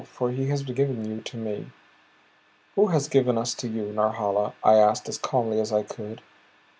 For he has given you to me." "Who has given us to you Norhala?" I asked, as calmly as I could.